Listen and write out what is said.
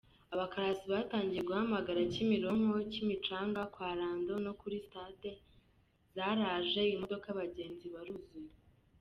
Abakarasi batangiye guhamagara “Kimironko, Kimicanga kwa Rando no kuri Stade ! Zaraje !” Imodoka abagenzi baruzuye.